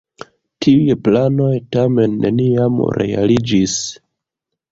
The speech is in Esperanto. Tiuj planoj tamen neniam realiĝis.